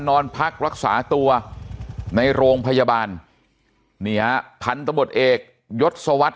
นอนพักรักษาตัวในโรงพยาบาลเนี่ยพันธุบทเอกยดสวัสดิ์